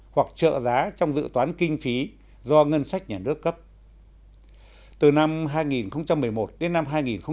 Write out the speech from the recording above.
hoặc trợ giá trong dự toán kinh phí do ngân sách nhà nước cấp từ năm hai nghìn một mươi một đến năm hai nghìn một mươi bảy